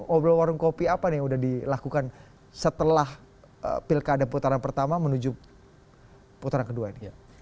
obrol warung kopi apa nih yang udah dilakukan setelah pilkada putaran pertama menuju putaran kedua ini